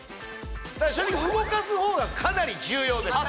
正直動かすほうがかなり重要です